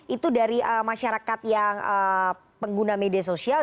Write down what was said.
itu dari masyarakat yang pengguna media sosial